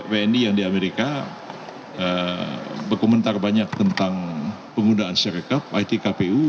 pni yang di amerika berkomentar banyak tentang penggunaan sireka it kpu